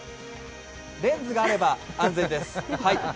レンズがあれば、安全です。